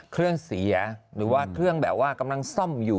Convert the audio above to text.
เครื่องเสียหรือว่าเครื่องแบบว่ากำลังซ่อมอยู่